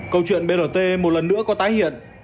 câu chuyện brt một lần nữa có tái hiện